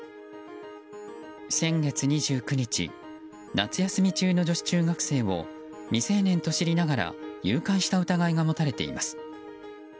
先月２９日夏休み中の女子中学生を未成年と知りながら誘拐した疑いが持たれています。